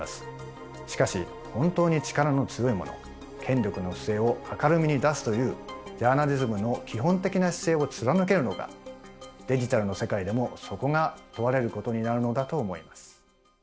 しかし本当に力の強いもの権力の不正を明るみに出すというジャーナリズムの基本的な姿勢を貫けるのかデジタルの世界でもそこが問われることになるのだと思います。